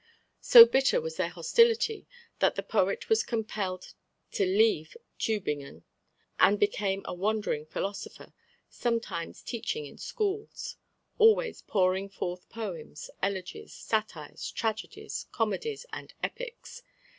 So bitter was their hostility that the poet was compelled to leave Tubingen, and became a wandering philosopher, sometimes teaching in schools, always pouring forth poems, elegies, satires, tragedies, comedies, and epics.